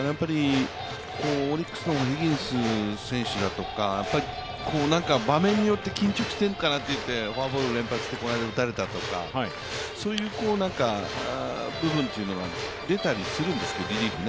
オリックスのヒギンス選手だとか場面によって緊張してるかなといってフォアボール連発して、この間は打たれたりとか、そういう部分が出たりするんですけど、リリーフは。